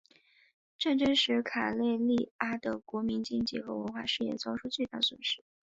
战争使卡累利阿的国民经济和文化事业遭受巨大损失。